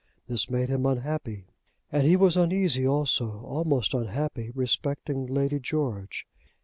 This made him unhappy. And he was uneasy also, almost unhappy, respecting Lady George.